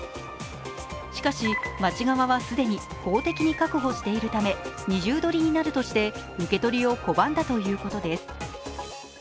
しかし、町側は既に法的に確保しているため二重取りになるとして受け取りを拒んだということです。